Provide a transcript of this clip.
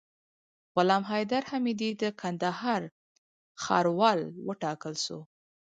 غلام حیدر حمیدي د کندهار ښاروال وټاکل سو